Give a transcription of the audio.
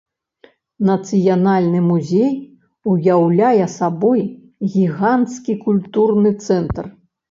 Нацыянальны музей уяўляе сабой гіганцкі культурны цэнтр.